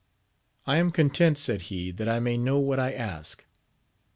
I am content, said he, that I may know what I ask.